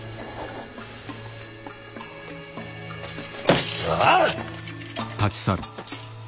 くそ！